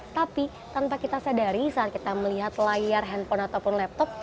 tapi tanpa kita sadari saat kita melihat layar handphone ataupun laptop